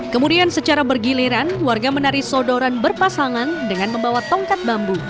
kemudian secara bergiliran warga menari sodoran berpasangan dengan membawa tongkat bambu